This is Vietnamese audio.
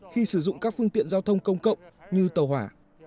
khi sử dụng các phương tiện giao thông công cộng như tàu hỏa